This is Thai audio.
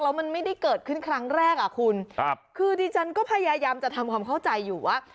แล้วมันไม่ได้เกิดขึ้นครั้งแรกอ่ะคุณครับคือดิฉันก็พยายามจะทำความเข้าใจอยู่ว่า